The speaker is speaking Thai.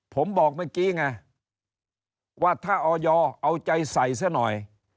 ผมบอกเมื่อกี้ไงว่าถ้าออยเอาใจใส่ซะหน่อย